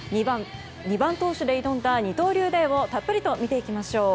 ２番投手で挑んだ二刀流デーをたっぷりと見ていきましょう。